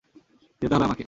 যেতে হবে আমাকে।